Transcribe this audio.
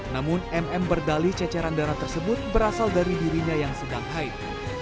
namun mm berdali ceceran darah tersebut berasal dari dirinya yang sedang haid